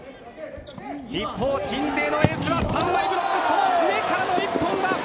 一方、鎮西のエースは３枚ブロックその上からの１本だ。